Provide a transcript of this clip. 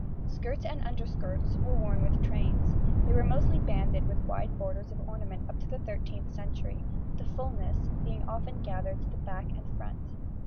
Skirts and underskirts were worn with trains. They were mostly banded with wide borders of ornament up to the 13th century, the fullness being often gathered to the back and front.